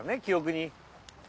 記憶に。